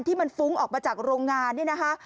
ที่มันฟุ้งออกมาจากโรงงานนี่นะคะ